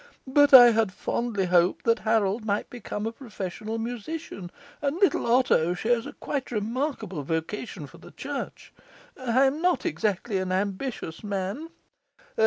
But I had fondly hoped that Harold might become a professional musician; and little Otho shows a quite remarkable vocation for the Church. I am not exactly an ambitious man...